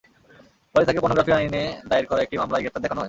পরে তাঁকে পর্নোগ্রাফি আইনে দায়ের করা একটি মামলায় গ্রেপ্তার দেখানো হয়।